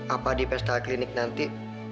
apa di pesta klinik nanti